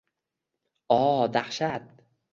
O, dahshat